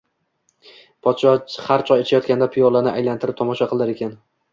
Podsho har choy ichayotganda piyolani aylantirib tomosha qilar ekan